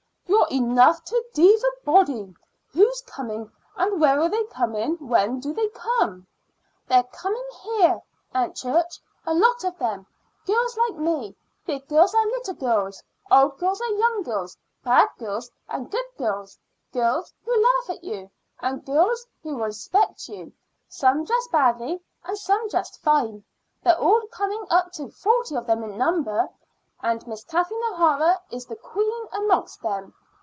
"You're enough to deave a body. Who's coming, and where are they coming when they do come?" "They're coming here, Aunt Church, a lot of them girls like me big girls and little girls, old girls and young girls, bad girls and good girls; girls who'll laugh at you, and girls who'll respect you; some dressed badly, and some dressed fine. They are all coming, up to forty of them in number, and Miss Kathleen O'Hara is the queen amongst them.